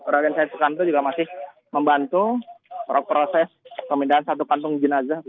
rakyat saya sekalian juga masih membantu proses pemindahan satu kantung jenazah